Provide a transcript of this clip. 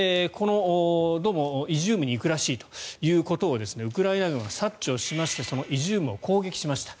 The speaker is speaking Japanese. どうもイジュームに行くらしいということをウクライナ軍は察知しましてイジュームを攻撃しました。